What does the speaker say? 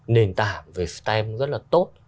nền tảng về stem rất là tốt